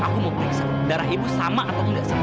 aku mau periksa darah ibu sama atau tidak sama